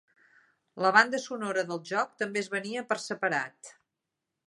La banda sonora del joc també es venia per separat.